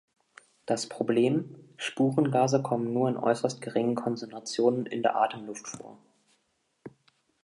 Das Problem: Spurengase kommen nur in äußerst geringen Konzentrationen in der Atemluft vor.